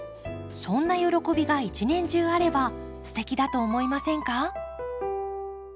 そんな喜びが一年中あればすてきだと思いませんか？